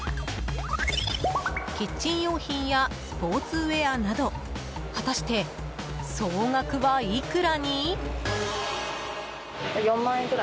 キッチン用品やスポーツウェアなど果たして総額はいくらに？